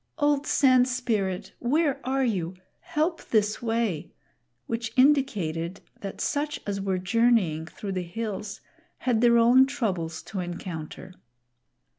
"Old Sand Spirit, where are you? Help this way!" which indicated that such as were journeying through the hills had their own troubles to encounter.